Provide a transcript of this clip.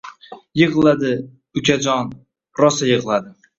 Yig’ladi, ukajon… Rosa yig’ladi